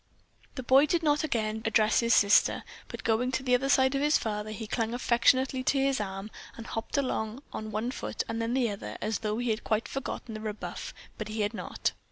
The boy did not again address his sister, but going to the other side of his father, he clung affectionately to his arm and hopped along on one foot and then on the other as though he had quite forgotten the rebuff, but he had not.